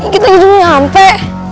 kita gitu gini sampe